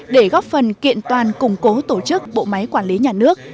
để góp phần kiện toàn củng cố tổ chức bộ máy quản lý nhà nước